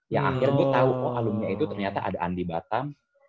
yang akhir gue tau oh alumni itu ternyata ada andi batam